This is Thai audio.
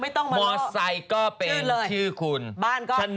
ไม่งงผู้หญิงคูก่าว